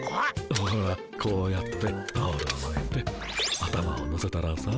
ほらこうやってタオルをまいて頭を乗せたらさ。